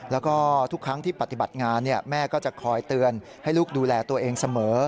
แล้วก็ทุกครั้งที่ปฏิบัติงานแม่ก็จะคอยเตือนให้ลูกดูแลตัวเองเสมอ